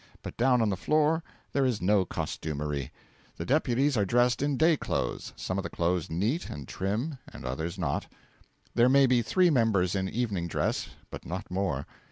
But down on the floor there is no costumery. The deputies are dressed in day clothes; some of the clothes neat and trim, others not; there may be three members in evening dress, but not more.